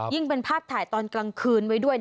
ยิ่งเป็นภาพถ่ายกลางคืนไว้ด้วย